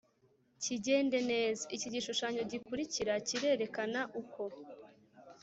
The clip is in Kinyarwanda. kigende neza. Iki gishushanyo gikurikira kirerekana uko